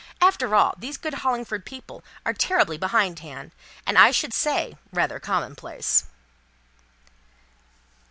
After all, these good Hollingford people are terribly behindhand, and I should say, rather commonplace."